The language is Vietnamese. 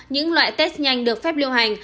những loại test nhanh được phép liêu hành